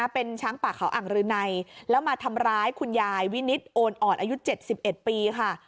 เป็นช้างป่าเขาอ่างรืนัยแล้วมาทำร้ายคุณยายวินิตโอนอ่อนอายุ๗๑ปีค่ะ